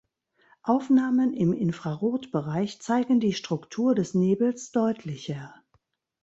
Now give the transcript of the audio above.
Aufnahmen im Infrarotbereich zeigen die Struktur des Nebels deutlicher.